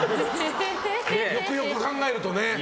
よくよく考えるとね。